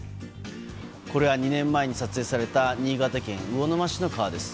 これは２年前に撮影された新潟県魚沼市の川です。